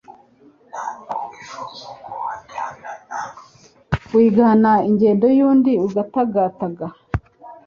wigana ingendo y'undi ugatagataga